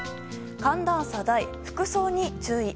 寒暖差大、服装に注意。